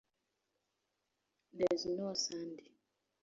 There is no sandhi.